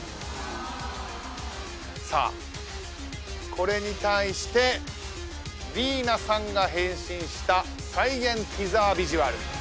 さあこれに対してりいなさんが変身した再現ティザービジュアル。